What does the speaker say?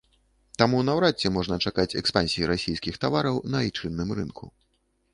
Таму наўрад ці можна чакаць экспансіі расійскіх тавараў на айчынным рынку.